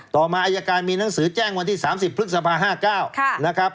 ต่อมาอายการมีหนังสือแจ้งวันที่๓๐พฤษภา๕๙นะครับ